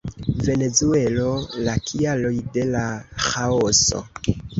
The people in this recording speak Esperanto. Venezuelo, la kialoj de la ĥaoso.